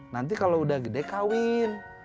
nanti kalau udah gede kawin